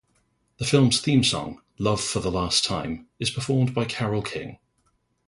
The film's theme song, "Love for the Last Time," is performed by Carole King.